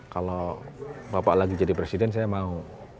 kalau bapak lagi jadi presiden saya mau